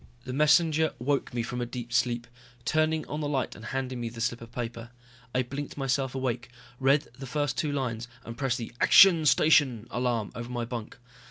The messenger woke me from a deep sleep, turning on the light and handing me the slip of paper. I blinked myself awake, read the first two lines, and pressed the action station alarm over my bunk.